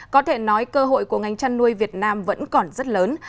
có thể nói cơ hội của ngành chăn nuôi việt nam vẫn còn rất lớn